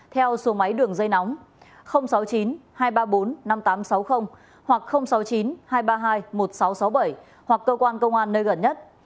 theo số máy đường dây nóng sáu mươi chín hai trăm ba mươi bốn năm nghìn tám trăm sáu mươi hoặc sáu mươi chín hai trăm ba mươi hai một nghìn sáu trăm sáu mươi bảy hoặc cơ quan công an nơi gần nhất